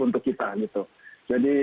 untuk kita gitu jadi